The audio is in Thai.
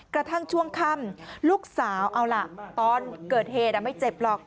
กระทั่งช่วงค่ำลูกสาวเอาล่ะตอนเกิดเหตุไม่เจ็บหรอก